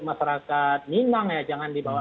masyarakat minang ya jangan dibawa